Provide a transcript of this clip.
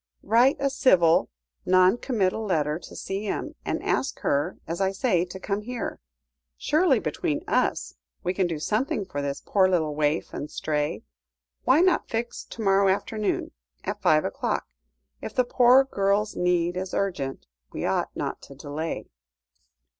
"Write a civil, non committal letter to C.M., and ask her, as I say, to come here. Surely, between us, we can do something for this poor little waif and stray. Why not fix to morrow afternoon, at five o'clock? If the poor girl's need is urgent, we ought not to delay."